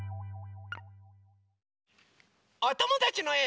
おともだちのえを。